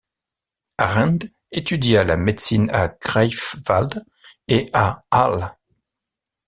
Arndt étudia la médecine à Greifswald et à Halle.